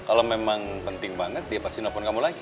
kalo memang penting banget dia pasti nelfon kamu lagi